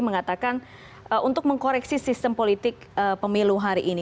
mengatakan untuk mengkoreksi sistem politik pemilu hari ini